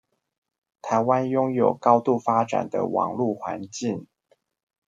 臺灣擁有高度發展的網路環境